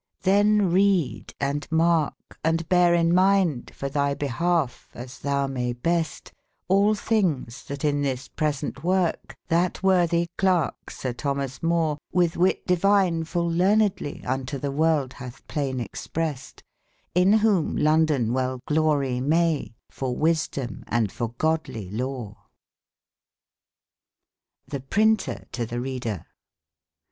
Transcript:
'Cben read, and marhe, and beare in mind^ for tby bebouf e, as tbou maie best* Hll tbinges tbat in tbis present worke, tbat wortbie clerke sir XTbomas More, Cditb witte divine f ul learnedly, unto tbe worlde batb plaine exprest, In wbom J^ondon well glory maye, for wisedome and for godly lore* r^be printer to tbe Reader^^i